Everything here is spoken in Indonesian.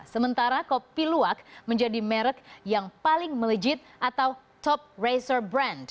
sementara kopi luwak menjadi merek yang paling melejit atau top racer brand